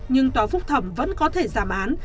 nhưng tòa phúc thẩm vẫn có thể giảm án